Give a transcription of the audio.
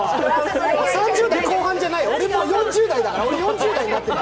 ３０代後半じゃない、俺、もう４０代だ、４０代になってる。